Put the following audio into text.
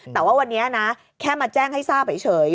แต่ว่าวันนี้นะแค่มาแจ้งให้ทราบเฉย